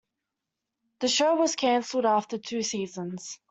The show was cancelled after two seasons.